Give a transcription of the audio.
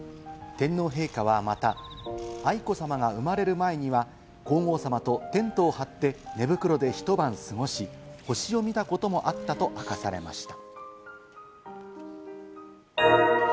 天皇陛下はまた、愛子さまが生まれる前には皇后さまとテントを張って、寝袋でひと晩過ごし、星を見たこともあったと明かされました。